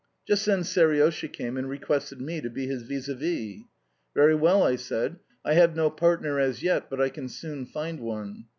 Just then Seriosha came and requested me to be his vis a vis. "Very well," I said. "I have no partner as yet, but I can soon find one."